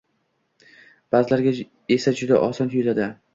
Ba'zilarga esa juda oson tuyuladi